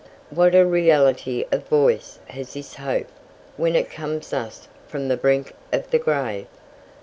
What a reality of voice has this hope when it comes thus from the brink of the grave!